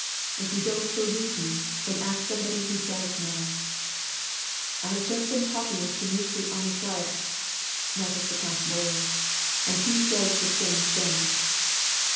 If you don't believe me, then ;u5k somebody who does know. I have just been talking with WAR AND PEACE. 87 Dniitri Onufriyitch (that was the count's lawyer), and he says the same thing.'